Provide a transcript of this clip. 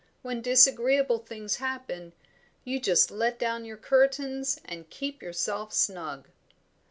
When disagreeable things happen, you just let down your curtains and keep yourself snug."